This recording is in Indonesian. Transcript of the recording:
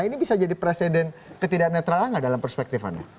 ini bisa jadi presiden ketidaknetralan nggak dalam perspektifannya